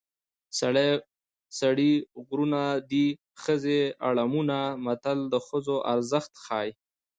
سړي غرونه دي ښځې اړمونه متل د ښځو ارزښت ښيي